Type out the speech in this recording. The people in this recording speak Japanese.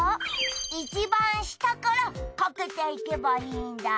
いちばんしたからかけていけばいいんだ。